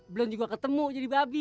belum juga ketemu jadi babi